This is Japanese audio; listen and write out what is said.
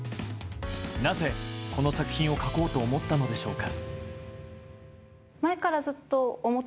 なぜ、この作品を書こうと思ったのでしょうか。